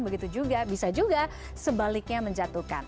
begitu juga bisa juga sebaliknya menjatuhkan